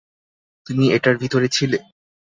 তুমি এটার ভিতরে ছিলে?